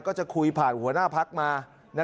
ก็จะคุยผ่านหัวหน้าพักมา